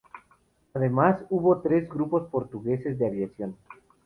Además, hubo tres grupos portugueses de aviación.